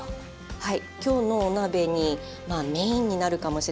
はい。